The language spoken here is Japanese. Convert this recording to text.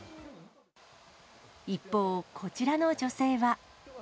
一方、こちらの女性は。